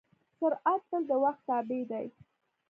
سرعت تل د وخت تابع دی.